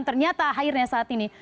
ternyata akhirnya saat ini